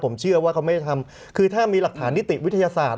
ผมเชื่อว่าเขาไม่ได้ทำคือถ้ามีหลักฐานนิติวิทยาศาสตร์